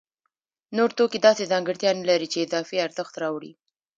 نور توکي داسې ځانګړتیا نلري چې اضافي ارزښت راوړي